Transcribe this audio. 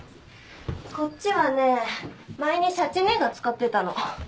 こっちはねぇ前にシャチ姉が使ってたの。